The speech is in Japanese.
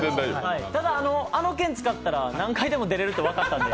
ただ、あの券使ったら何回でも出れるって分かったんで。